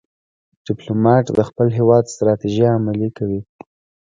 ډيپلومات د خپل هېواد ستراتیژۍ عملي کوي.